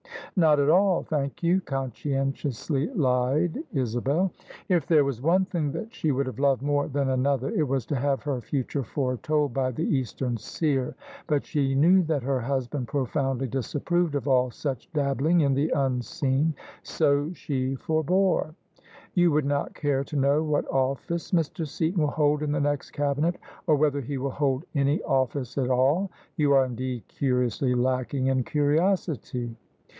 " Not at all, thank you," conscientiously lied Isabel. If there was one thing she would have loved more than another it was to have her future foretold by the eastern seer: but she knew that her husband profoundly disapproved of all such dabbling in the unseen ; so she forbore. "You would not care to know what office Mr. Seaton will hold in the next Cabinet, or whether he will hold any office at all? You are indeed curiously lacking in curiosity!